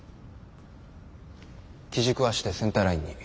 機軸を足でセンターラインに。